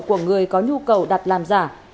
của người có nhu cầu đặt làm giả